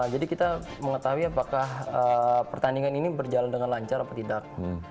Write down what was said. jadi kita mengetahui apakah pertandingan ini berjalan dengan lancar apa tidak